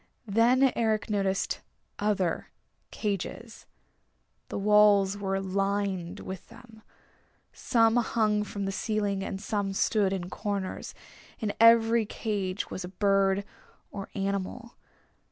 Then Eric noticed other cages. The walls were lined with them. Some hung from the ceiling, and some stood in corners. In every cage was a bird or animal.